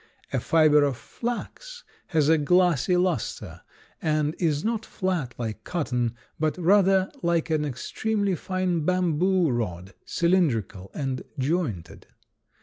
A fiber of flax has a glassy luster and is not flat like cotton, but rather like an extremely fine bamboo rod, cylindrical and jointed.